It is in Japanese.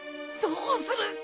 どうする！？